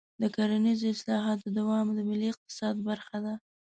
د کرنیزو اصلاحاتو دوام د ملي اقتصاد برخه ده.